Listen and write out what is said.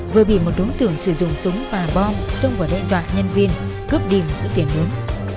vừa bị một đối tượng sử dụng súng và bom xông vào đại dọa nhân viên cướp điểm sự tiền nướng